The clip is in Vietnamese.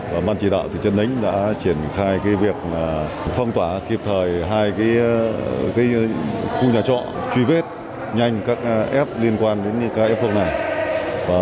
và bang chỉ đạo thị trấn nánh đã triển khai việc phong tỏa kịp thời hai khu nhà trọ truy vết nhanh các f liên quan đến ca f này